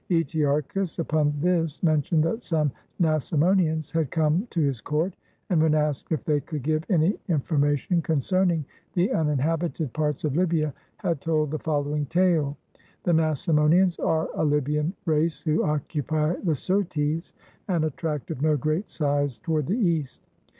Etearchus, upon this, mentioned that some Nasamonians had come to his court, and, when asked if they could give any informa tion concerning the uninhabited parts of Libya, had told the following tale (the Nasamonians are a Libyan race who occupy the Syrtes and a tract of no great size toward the east)